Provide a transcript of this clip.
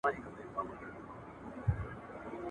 پښتین ته: